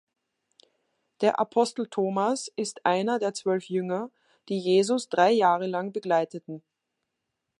Der Apostel Thomas ist einer der zwölf Jünger, die Jesus drei Jahre lang begleiteten.